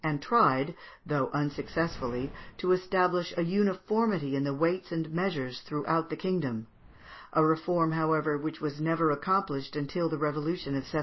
and tried, though unsuccessfully, to establish a uniformity in the weights and measures throughout the kingdom; a reform, however, which was never accomplished until the revolution of 1789.